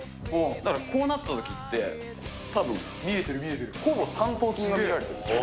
だからこうなったときって、たぶんほぼ三頭筋が見られてるんですよ。